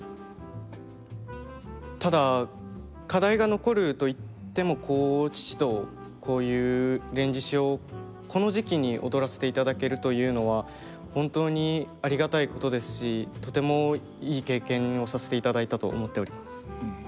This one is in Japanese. ただ課題が残ると言っても父とこういう「連獅子」をこの時期に踊らせていただけるというのは本当にありがたいことですしとてもいい経験をさせていただいたと思っております。